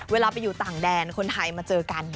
เวลาไปอยู่ต่างแดนคนไทยมาเจอกัน